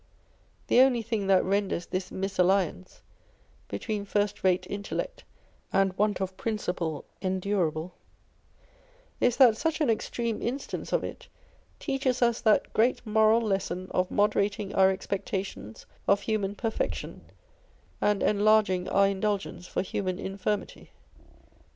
The only thing that renders this mis alliance between first rate intellect and want of principle endurable is that such an extreme instance of it teaches us that great moral lesson of moderating our expectations of human perfection, and enlarging our indulgence for human infirmity.